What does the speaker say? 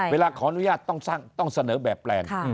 เวลาขออนุญาตต้องสั่งต้องเสนอแบบแปลน